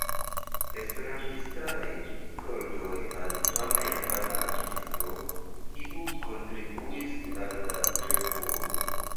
Esperantistaj skoldoj al fama japana artisto, kiu kontribuis al la revuo.